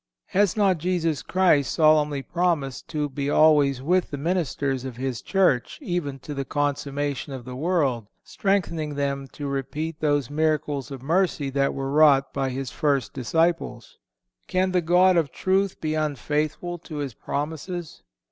Has not Jesus Christ solemnly promised to be always with the ministers of His Church, "even to the consummation of the world," strengthening them to repeat those miracles of mercy that were wrought by His first disciples? Can the God of truth be unfaithful to His promises?